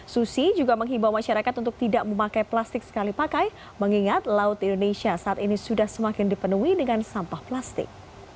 susi juga menghimbau masyarakat untuk tidak memakai plastik sekali pakai mengingat laut indonesia saat ini sudah semakin dipenuhi dengan sampah plastik